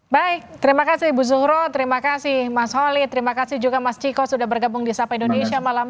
baik terima kasih ibu zuhro terima kasih mas holi terima kasih juga mas ciko sudah bergabung di sapa indonesia malam ini